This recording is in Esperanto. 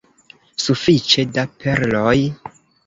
Sufiĉe da perloj?